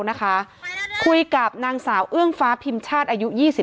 นะคะคุยกับนางสาวเอื้องฟ้าพิมชาติอายุ๒๕